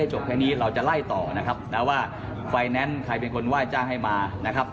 ให้จัดหนักเป็นคดีทั้งหมดนะครับ